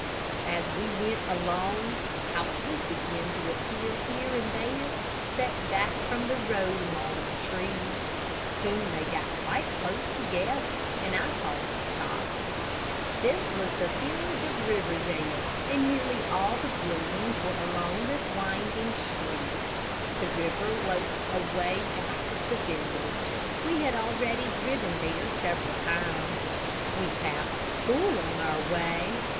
As we went along, houses began to appear here and there, set back from the road among the trees. Soon they got quite close together, and I saw some shops. This was the village of Riverdale, and nearly all the buildings were along this winding street. The river was away back of the village. We had already driven there several times. We passed the school on our way.